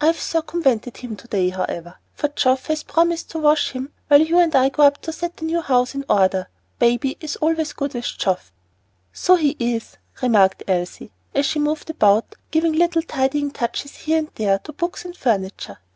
I've circumvented him to day, however, for Geoff has promised to wash him while you and I go up to set the new house in order. Baby is always good with Geoff." "So he is," remarked Elsie as she moved about giving little tidying touches here and there to books and furniture.